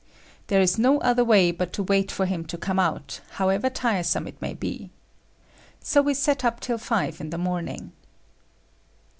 There is no other way but to wait for him to come out, however tiresome it may be. So we sat up till five in the morning.